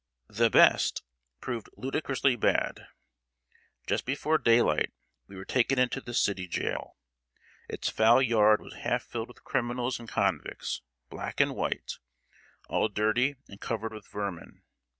"The best" proved ludicrously bad. Just before daylight we were taken into the city jail. Its foul yard was half filled with criminals and convicts, black and white, all dirty and covered with vermin.